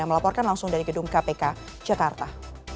yang melaporkan langsung dari gedung kpk jakarta